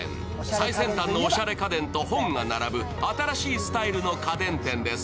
最先端のおしゃれ家電と本が並ぶ、新しいスタイルの家電店です。